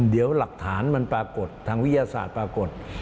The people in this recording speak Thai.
เดี๋ยวหลักฐานมันปรากฏทางวิทยาศาสตร์ปรากฏ